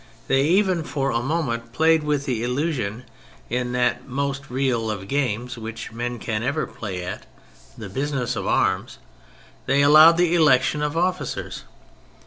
They even for a moment played with the illusion in that most real of games which men can ever play at — the business of arms : they allowed the election of officers.